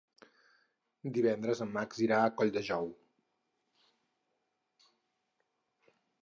Divendres en Max irà a Colldejou.